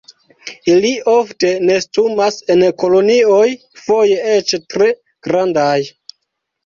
Ili ofte nestumas en kolonioj, foje eĉ tre grandaj.